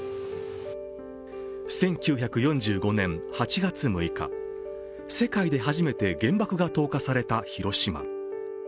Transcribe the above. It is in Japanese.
１９４５年８月６日、世界で初めて原爆が投下された広島。